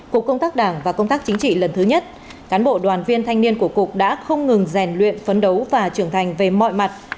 cục công tác đảng và công tác chính trị lần thứ nhất cán bộ đoàn viên thanh niên của cục đã không ngừng rèn luyện phấn đấu và trưởng thành về mọi mặt